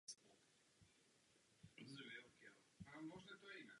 Je chráněn jako historická památka.